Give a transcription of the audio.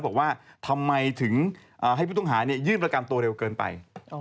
บอกว่าทำไมถึงให้ผู้ต้องหายื่นประกันตัวเร็วเกินไป